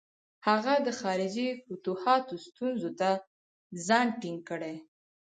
هغه د خارجي فتوحاتو ستونزو ته ځان ټینګ کړي.